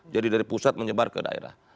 jadi dari pusat menyebar ke daerah